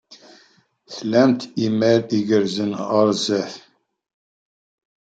Tlamt imal igerrzen ɣer sdat.